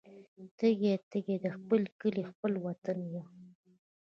تږي، تږي د خپل کلي خپل وطن یم